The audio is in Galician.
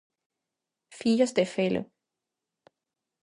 Fillos de felo.